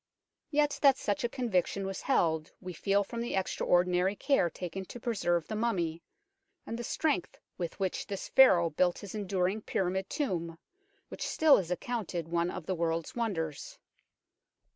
Yet that such a conviction was held we feel from the extraordinary care taken to preserve the mummy, and the strength with which this Pharaoh built his enduring pyramid tomb, which still is accounted one of the world's wonders.